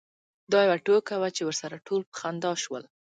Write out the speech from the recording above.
دا یوه ټوکه وه چې ورسره ټول په خندا شول.